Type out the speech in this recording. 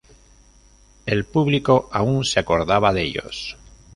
El público aún se acordaba de ellos.